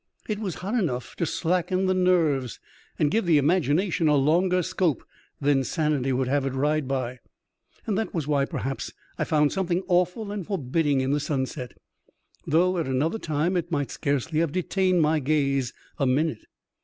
It was hot enough to slacken the nerves, and give the imagination a longer scope than sanity would have it ride by. That was why, perhaps, I found something awful and forbidding in the sunset, though at another time it might scarcely have detained my gaze a minute.